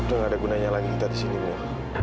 udah nggak ada gunanya lagi kita di sini mila